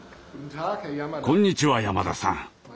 こんにちは山田さん。